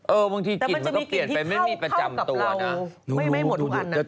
บางทีกลิ่นมันก็เปลี่ยนไปไม่มีประจำตัวนะ